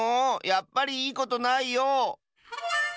やっぱりいいことないよ！